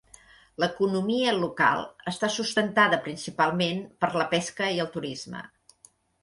L"economia local està sustentada principalment per la pesca i el turisme.